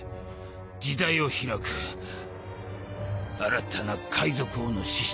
時代を開く新たな海賊王の資質。